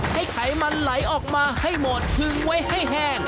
ไขมันไหลออกมาให้หมดคึงไว้ให้แห้ง